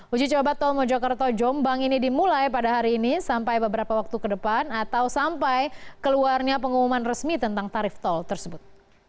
uji coba tol mojokerto jombang ini dimulai pada hari ini sampai beberapa waktu ke depan atau sampai keluarnya pengumuman resmi tentang tarif tol tersebut